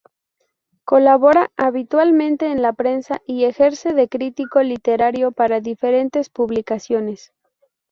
Colabora habitualmente en la prensa y ejerce de crítico literario para diferentes publicaciones.